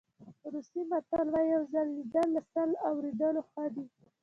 روسي متل وایي یو ځل لیدل له سل اورېدلو ښه دي.